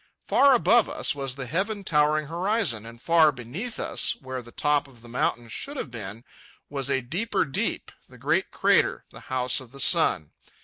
Far above us was the heaven towering horizon, and far beneath us, where the top of the mountain should have been, was a deeper deep, the great crater, the House of the Sun.